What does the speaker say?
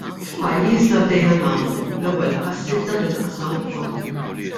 F'pajjiżna bdejna nagħmlu l-ewwel passi f'dan il-qasam ukoll.